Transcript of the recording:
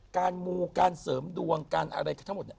มูการเสริมดวงการอะไรทั้งหมดเนี่ย